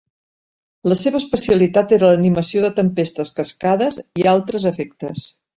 La seva especialitat era l'animació de tempestes, cascades i altres efectes.